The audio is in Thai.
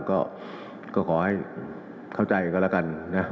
ก็ขอให้เข้าใจกันแล้วกันนะ